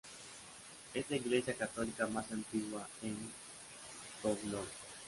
Es la iglesia católica más antigua en Kowloon.